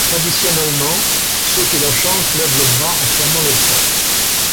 Traditionnellement, ceux qui la chantent lèvent le bras en fermant le poing.